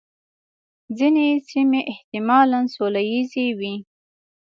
ځینې سیمې احتمالاً سوله ییزې وې.